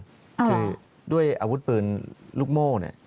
คือด้วยอาวุธปืนลูกโม่เนี่ย